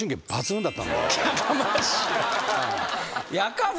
やかましいわ。